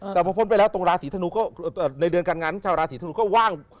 แต่พอพ้นไปแล้วตรงราศีธนูก็ในเดือนการงานชาวราศีธนูก็ว่าง